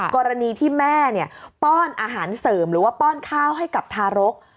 กรณีที่แม่ป้อนอาหารเสริมหรือว่าป้อนข้าวให้กับทารก